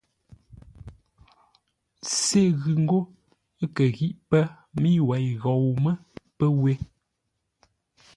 Sê ghʉ ńgó, ə́ kə ghî pə́, mə́i wěi ghou mə́ pəwě.